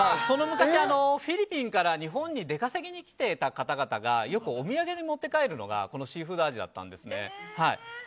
その昔フィリピンから日本に出稼ぎに来てた人々がよくお土産に持って帰るのがシーフード味だったんですね。